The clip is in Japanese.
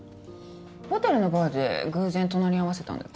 ホテルのバーで偶然隣り合わせたんだっけ？